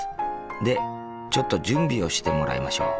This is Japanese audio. でちょっと準備をしてもらいましょう。